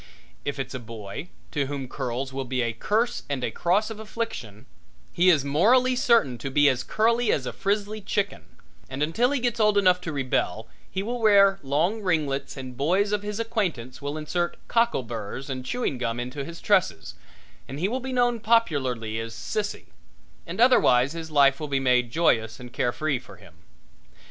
If it's a boy, to whom curls will be a curse and a cross of affliction, he is morally certain to be as curly as a frizzly chicken, and until he gets old enough to rebel he will wear long ringlets and boys of his acquaintance will insert cockle burs and chewing gum into his tresses, and he will be known popularly as Sissie and otherwise his life with be made joyous and carefree for him.